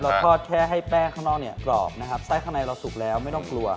ทอดแค่ให้แป้งข้างนอกเนี่ยกรอบนะครับไส้ข้างในเราสุกแล้วไม่ต้องกลัว